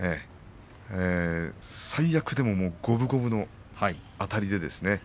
最悪でも五分五分のあたりですね。